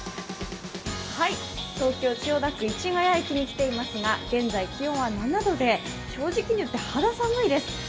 東京・千代田区市ヶ谷駅に来ていますが現在気温は７度で正直いって肌寒いです。